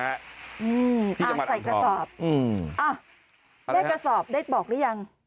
อ่าใส่กระสอบแม่กระสอบได้บอกหรือยัง